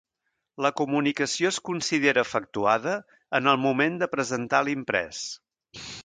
La comunicació es considera efectuada en el moment de presentar l'imprès.